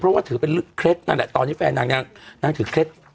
เพราะว่าถือเป็นเคล็ดนั่นแหละตอนนี้แฟนนางนางถือเคล็ด